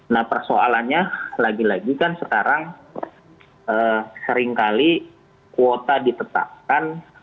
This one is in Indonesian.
nah persoalannya lagi lagi kan sekarang seringkali kuota ditetapkan